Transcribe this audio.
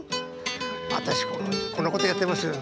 私こんなことやってます。